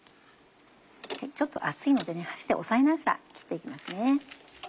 ちょっと熱いので箸で押さえながら切って行きますね。